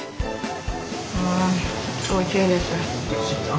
うんおいしいです。